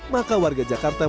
maka warga jakarta memperoleh